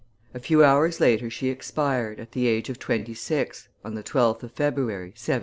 A few hours later she expired, at the age of twenty six, on the 12th of February, 1712.